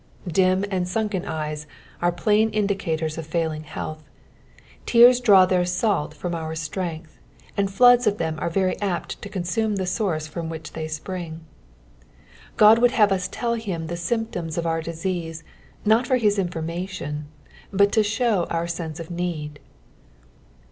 ^^ Dim and sunken eyes :nre plain indicators of failing health. Tears draw tbeir salt from our stren^h, and floods of them are very apt to consume the source from which they apnng. Ood would have us tell him the sjmptDins of our disease, not for his infonna lion, but to show our sense of need.